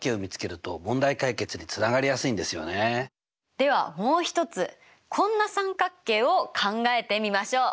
ではもう一つこんな三角形を考えてみましょう！